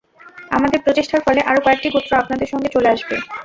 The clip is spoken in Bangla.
আমাদের প্রচেষ্টার ফলে আরো কয়েকটি গোত্র আপনাদের সঙ্গে চলে আসবে।